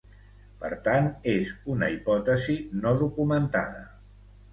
Per tant, és una hipòtesi no documentada.